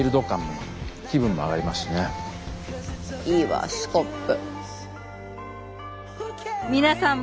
いいわぁスコップ。